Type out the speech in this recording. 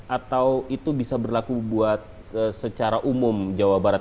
atau itu bisa berlaku buat secara umum jawa barat